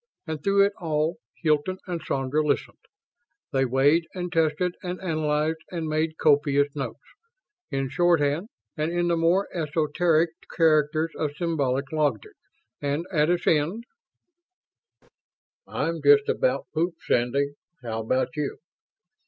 And through it all Hilton and Sandra listened. They weighed and tested and analyzed and made copious notes; in shorthand and in the more esoteric characters of symbolic logic. And at its end: "I'm just about pooped, Sandy. How about you?"